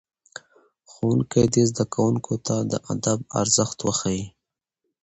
ښوونکي دي زدهکوونکو ته د ادب ارزښت وښيي.